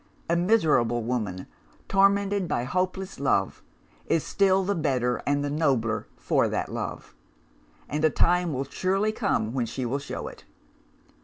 A miserable woman, tormented by hopeless love, is still the better and the nobler for that love; and a time will surely come when she will show it.